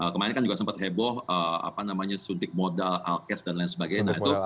kemarin kan juga sempat heboh apa namanya suntik modal alkes dan lain sebagainya